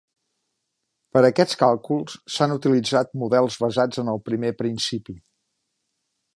Per a aquest càlcul s'han d'utilitzar models basats en el primer principi.